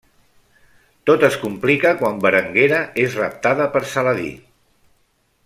Tot es complica quan Berenguera és raptada per Saladí.